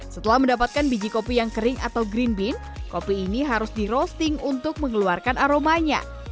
setelah mendapatkan biji kopi yang kering atau green bean kopi ini harus di roasting untuk mengeluarkan aromanya